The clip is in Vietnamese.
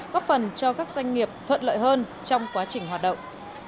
góp phần cho các doanh nghiệp thuận lợi hơn trong quá trình hoạt động